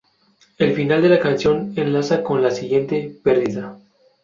El final de la canción enlaza con la siguiente, "Perdida".